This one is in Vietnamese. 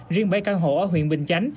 riêng bảy căn hộ ở huyện bình chánh